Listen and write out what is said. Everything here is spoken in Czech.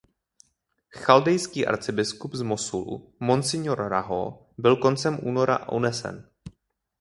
Chaldejský arcibiskup z Mosulu, Monsignor Rahho, byl koncem února unesen.